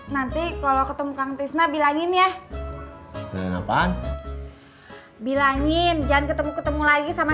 nanti kalau ketemu kang trisna bilangin ya apa bilangin jangan ketemu ketemu lagi sama